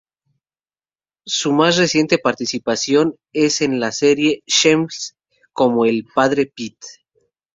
Su más reciente participación es en la serie "Shameless" como el padre Pete.